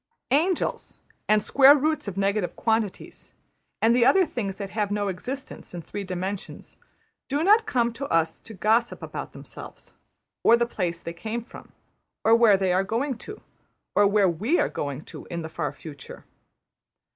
Angels, and square roots of negative quantities, and the other things that have no existence in three dimensions, do not come to us to gossip about themselves; or the place they came from; or where they are going to; or where we are going to in the far future.